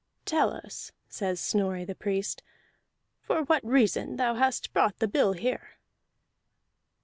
"Tell us," says Snorri the Priest, "for what reason thou hast brought the bill here."